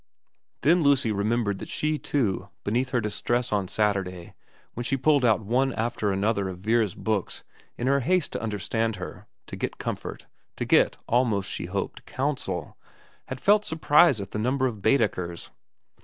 Then Lucy remembered that she, too, beneath her distress on Saturday when she pulled out one after the other of Vera's books in her haste to understand her, to get comfort, to get, almost she hoped, counsel, had felt surprise at the number of Baedekers.